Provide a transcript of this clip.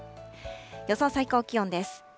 予想最高気温です。